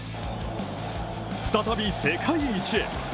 再び世界一へ。